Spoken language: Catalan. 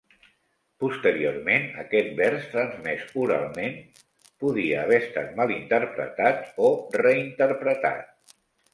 Posteriorment, aquest vers, transmès oralment, podia haver estat malinterpretat o reinterpretat.